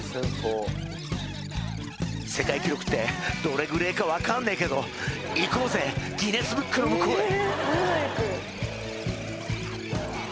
世界記録ってどれぐれえか分かんねえけどいこうぜギネスブックの向こうへ